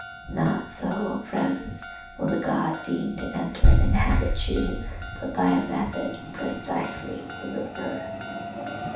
Not so, O friends! will the God deign to enter and inhabit you, but by a method precisely the reverse.